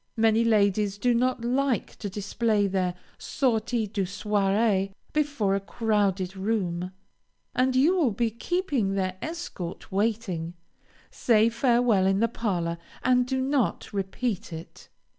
Many ladies do not like to display their "sortie du soirée" before a crowded room, and you will be keeping their escort waiting. Say farewell in the parlor, and do not repeat it.